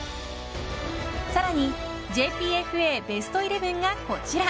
さらにＪＰＦＡベストイレブンがこちら。